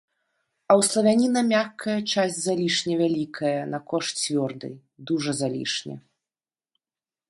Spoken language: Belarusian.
А ў славяніна мяккая часць залішне вялікая на кошт цвёрдай, дужа залішне.